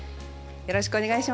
よろしくお願いします。